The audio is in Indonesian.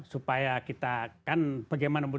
supaya kita akan bagaimana